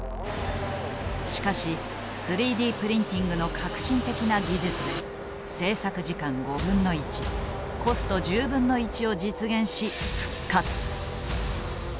しかし３Ｄプリンティングの革新的な技術で製作時間５分の１コスト１０分の１を実現し復活。